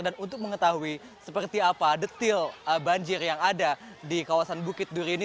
dan untuk mengetahui seperti apa detail banjir yang ada di kawasan bukit duri ini